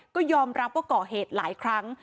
ก็ยอมรับว่าก่อเหตุหลายครั้ง